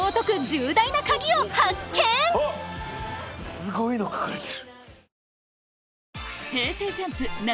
すごいの書かれてる。